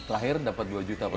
lahir dapat dua juta berguna